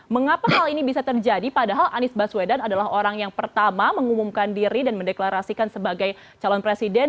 mengapa hal ini bisa terjadi padahal anies baswedan adalah orang yang pertama mengumumkan diri dan mendeklarasikan sebagai calon presiden